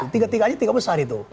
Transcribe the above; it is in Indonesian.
tiga tiganya tiga besar itu